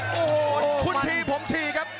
โอ้โหคุณทีผมทีครับ